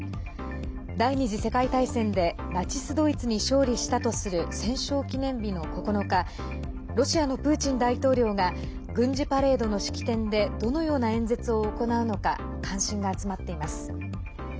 第２次世界大戦でナチス・ドイツに勝利したとする戦勝記念日の９日ロシアのプーチン大統領が軍事パレードの式典でどのような演説を行うのか関心が集まっています。